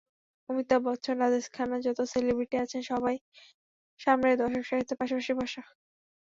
অমিতাভ বচ্চন, রাজেশ খান্না-যত সেলিব্রিটি আছেন, সবাই সামনের দর্শকসারিতে পাশাপাশি বসা।